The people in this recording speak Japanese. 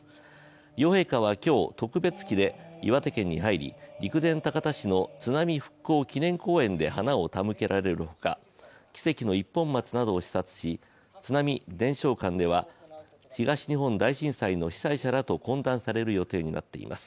両陛下は今日、特別機で岩手県に入り陸前高田市の津波復興祈念公園で花を手向けられるほか奇跡の一本松などを視察し津波伝承館では東日本大震災の被災者らと懇談される予定となっています。